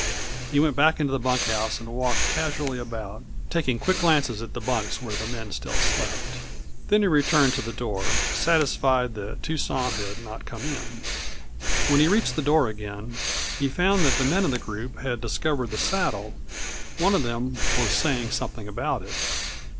He went back into the bunkhouse and walked casually about, taking swift glances at the bunks where the men still slept. Then he returned to the door, satisfied that Tucson had not come in. When he reached the door again he found that the men of the group had discovered the saddle. One of them was saying something about it.